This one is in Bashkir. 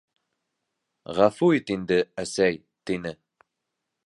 Ғәфү ит инде, әсәй, - тине.